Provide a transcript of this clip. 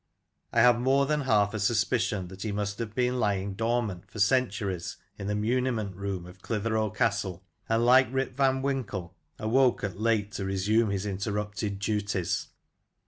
I have more than half a suspicion that he must have been lying dormant for centuries in the muniment room of Clitheroe Castle, and, like Rip Van Winkle, awoke at length to resume his interrupted duties.